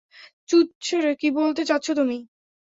চুদছে রে কি বলতে চাচ্ছো তুমি?